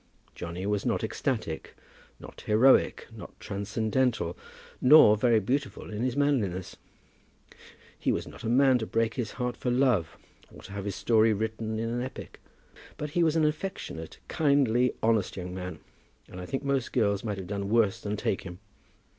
Johnny was not ecstatic, nor heroic, nor transcendental, nor very beautiful in his manliness; he was not a man to break his heart for love, or to have his story written in an epic; but he was an affectionate, kindly, honest young man; and I think most girls might have done worse than take him.